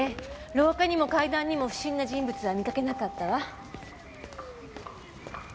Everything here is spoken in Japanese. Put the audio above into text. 廊下にも階段にも不審な人物は見かけなかったわ。